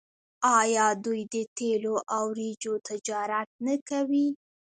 آیا دوی د تیلو او وریجو تجارت نه کوي؟